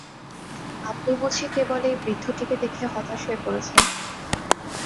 আপনি বুঝি কেবল এই বৃদ্ধটিকে দেখে হতাশ হয়ে পড়েছেন।